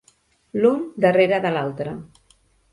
L'un darrere de l'altre.